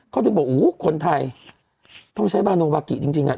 เขาจะบอกโอ้โหคนไทยต้องใช้บาลโนวากิจริงจริงอ่ะ